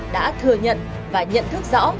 đã thừa nhận và nhận thức rõ